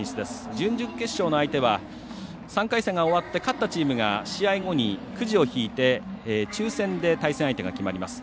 準々決勝の相手は３回戦が終わって勝ったチームが試合後にくじを引いて抽せんで対戦相手が決まります。